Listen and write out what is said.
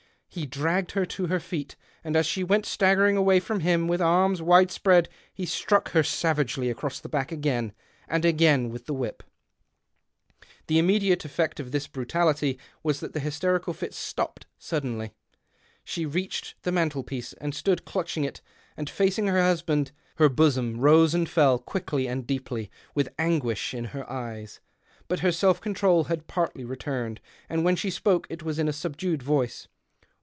He dragged her to her feet, and as she went staggering away from him with arms wide spread he struck her savagely across the back again and again with the whip. The immediate effect of this brutality was that the hysterical fit stopped suddenly. She reached the mantelpiece, and stood clutching it and facing her husband. Her bosom rose and fell, quickly and deeply, with anguish in her eyes. But her self control had partly returned, and when she spoke it was in a subdued voice.